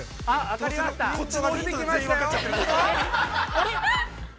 ◆あれ？